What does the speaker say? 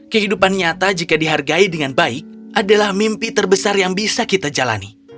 kehidupan nyata jika dihargai dengan baik adalah mimpi terbesar yang bisa kita jalani